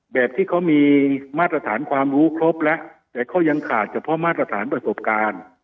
แบบที่เขามีมาตรฐานความรู้ครบแล้วแต่เขายังขาดเฉพาะมาตรฐานประสบการณ์